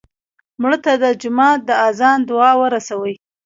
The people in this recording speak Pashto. مړه ته د جومات د اذان دعا ورسوې